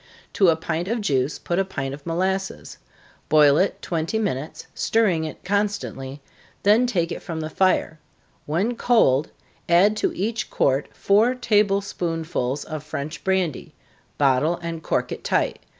To a pint of juice, put a pint of molasses. Boil it twenty minutes, stirring it constantly, then take it from the fire when cold, add to each quart four table spoonsful of French brandy bottle and cork it tight.